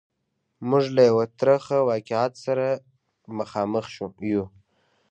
موږ له یوه ترخه واقعیت سره مخامخ یو.